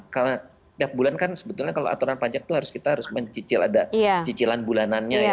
karena setiap bulan kan sebetulnya kalau aturan pajak itu harus kita harus mencicil ada cicilan bulanannya ya